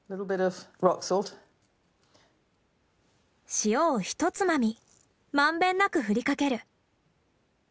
塩をひとつまみ満遍なく振りかける。